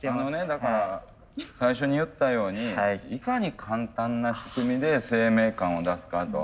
だから最初に言ったようにいかに簡単な仕組みで生命感を出すかと。